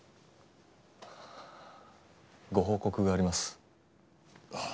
ご報告があります。